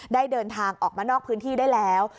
ได้เดินทางออกมานอกพื้นที่ได้แล้ว